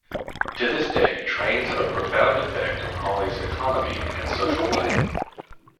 To this day trains have a profound effect on Holly's economy and social life.